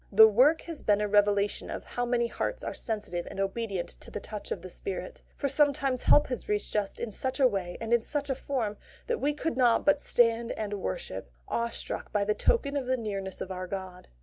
The work has been a revelation of how many hearts are sensitive and obedient to the touch of the Spirit; for sometimes help has reached us in such a way and in such form that we could not but stand and worship, awestruck by the token of the nearness of our God.